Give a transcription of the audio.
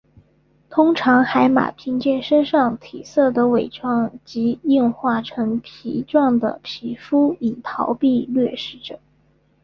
通常海马凭借身上体色的伪装及硬化成皮状的皮肤以逃避掠食者。